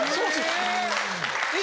え！